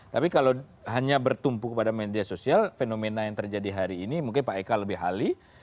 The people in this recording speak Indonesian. tapi kalau hanya bertumpu kepada media sosial fenomena yang terjadi hari ini mungkin pak eka lebih hali